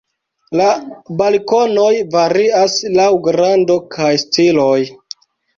La balkonoj varias laŭ grando kaj stiloj.